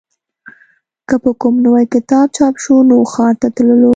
که به کوم نوی کتاب چاپ شو نو ښار ته تللو